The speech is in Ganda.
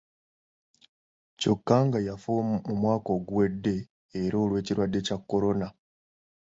Kyokka nga yafa mu mwaka oguwedde era olw'ekirwadde kya Corona.